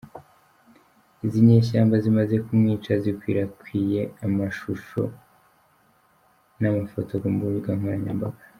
Izi nyeshyamba zimaze kumwica zakwirakwiye amashusho n’ amafoto ku mbugankoranyambaga.